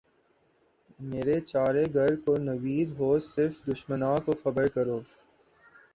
مرے چارہ گر کو نوید ہو صف دشمناں کو خبر کرو